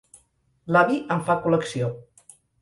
L'avi en fa col·lecció.